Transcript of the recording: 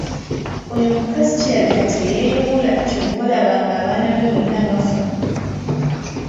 Oyo omukazi kirabika teyeeyubula ky'ova olaba ng'abaana be bonna bafa.